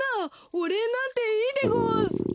おれいなんていいでごわ。